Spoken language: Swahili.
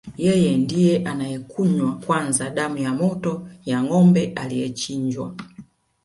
Yeye ndiye anayekunywa kwanza damu ya moto ya ngombe aliyechinjwa